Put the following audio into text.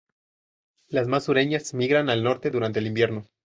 Las más sureñas migran al norte durante el invierno.